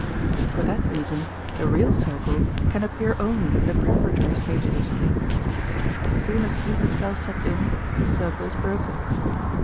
For that reason the real circle can appear only in the preparatory stages of sleep. As soon as sleep itself sets in, the circle is broken.